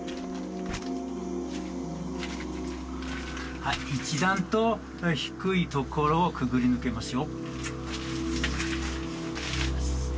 はい一段と低いところをくぐり抜けますよ。